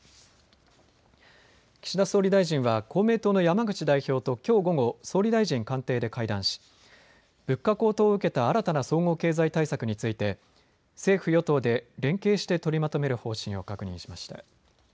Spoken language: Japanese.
岸田総理大臣は公明党の山口代表ときょう午後、総理大臣官邸で会談し物価高騰を受けた新たな総合経済対策について政府・与党で連携して取りまとめる方針を確認しました。